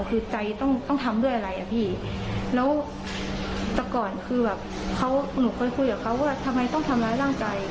คือใจต้องต้องทำด้วยอะไรอ่ะพี่แล้วแต่ก่อนคือแบบเขาหนูเคยคุยกับเขาว่าทำไมต้องทำร้ายร่างกาย